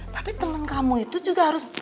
tapi teman kamu itu juga harus